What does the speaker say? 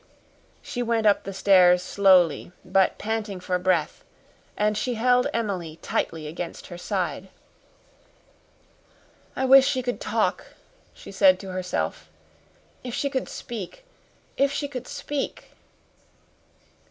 She went up the stairs slowly, but panting for breath and she held Emily tightly against her side. "I wish she could talk," she said to herself. "If she could speak if she could speak!"